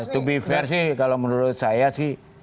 to be fair sih kalau menurut saya sih